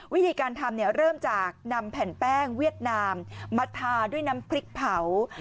วิธีการทำเริ่มจากนำแผ่นแป้งเวียดนามมาทาด้วยน้ำพริกเผา